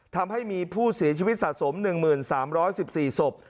ทำให้มีผู้เสียชีวิตสะสม๑๓๑๔ศพ